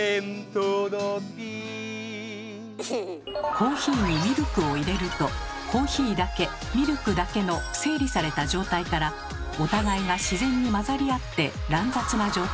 コーヒーにミルクを入れるとコーヒーだけミルクだけの整理された状態からお互いが自然に混ざり合って乱雑な状態